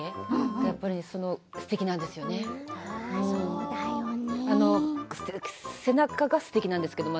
やっぱりすてきなんですよね。